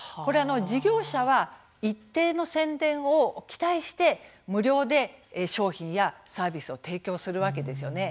事業者は一定の宣伝を期待して無料で商品やサービスを提供するわけですよね。